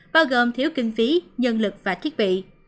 bao gồm thiếu kinh phí nhân lực và thiết bị